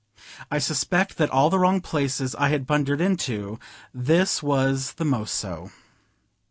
I suspect that of all the wrong places I had blundered into, this was the most so.